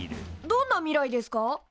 どんな未来ですか？